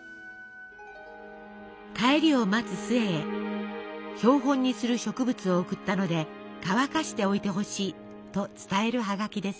帰りを待つ壽衛へ「標本にする植物を送ったので乾かしておいてほしい」と伝えるハガキです。